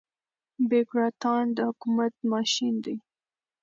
بيوکراتان د حکومت ماشين دي.